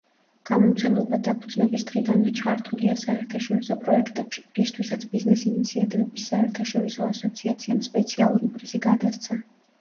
გამომცემლობა დაფუძნების დღიდანვე ჩართულია საერთაშორისო პროექტებში, რისთვისაც ბიზნეს ინიციატივების საერთაშორისო ასოციაციამ სპეციალური პრიზი გადასცა.